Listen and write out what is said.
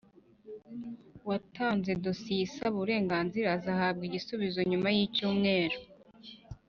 uwatanze dosiye isaba uburenganzira azahabwa igisubizo nyuma yicytumweru